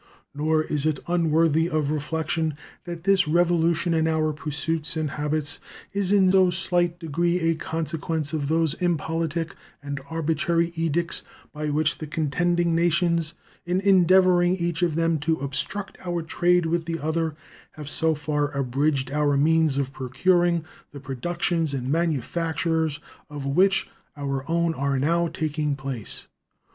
Nor is it unworthy of reflection that this revolution in our pursuits and habits is in no slight degree a consequence of those impolitic and arbitrary edicts by which the contending nations, in endeavoring each of them to obstruct our trade with the other, have so far abridged our means of procuring the productions and manufactures of which our own are now taking the place.